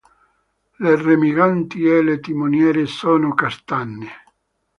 Le remiganti e le timoniere sono castane.